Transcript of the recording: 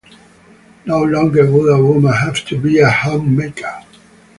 No longer would a woman have to be a homemaker.